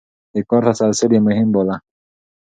د کار تسلسل يې مهم باله.